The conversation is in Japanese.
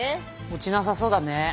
落ちなさそうだね。